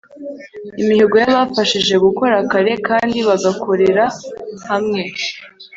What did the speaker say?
Imihigo yabafashije gukora kare kandi bagakorera hamwe